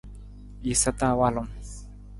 Jasa ta walung.